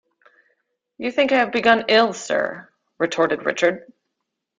"You think I have begun ill, sir," retorted Richard.